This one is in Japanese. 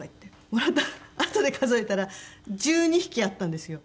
もらったあとで数えたら１２匹あったんですよ。